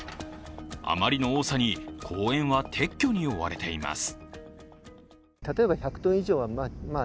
あまりの多さに、公園は撤去に追われています。